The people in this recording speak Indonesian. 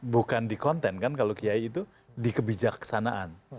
bukan di konten kan kalau kiai itu di kebijaksanaan